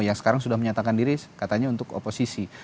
yang sekarang sudah menyatakan diri katanya untuk oposisi